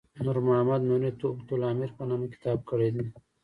نور محمد نوري تحفة الامیر په نامه کتاب کړی دی.